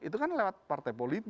itu kan lewat partai politik